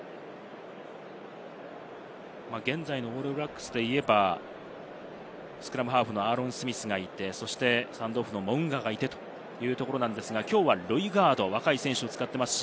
現在のオールブラックスでいえば、スクラムハーフのアーロン・スミスがいて、スタンドオフのモウンガがいてというところですが、きょうはロイガード、若い選手を使っています。